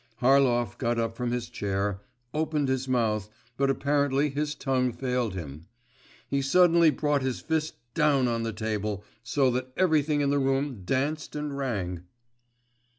Harlov got up from his chair, opened his mouth, but apparently his tongue failed him.… He suddenly brought his fist down on the table, so that everything in the room danced and rang.